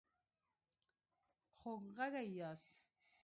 خوږغږي ياست